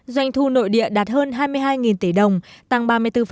doanh thu nội địa đạt hơn hai mươi hai tỷ đồng tăng ba mươi bốn